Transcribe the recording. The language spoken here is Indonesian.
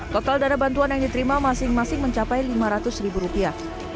total dana bantuan yang diterima masing masing mencapai lima ratus ribu rupiah